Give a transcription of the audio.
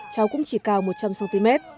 cháu cũng chỉ cao một trăm linh cm